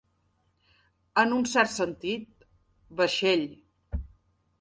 En un cert sentit, vaixell.